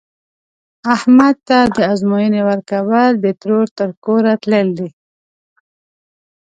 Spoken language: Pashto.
احمد ته د ازموینې ورکول، د ترور تر کوره تلل دي.